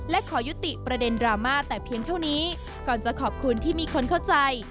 และขอยุติประเด็นดราม่าแต่เพียงเท่านี้ก่อนจะขอบคุณที่มีคนเข้าใจ